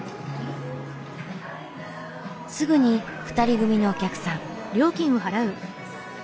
すぐに２人組のお客さん。